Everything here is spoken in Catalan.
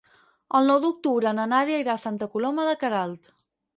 El nou d'octubre na Nàdia irà a Santa Coloma de Queralt.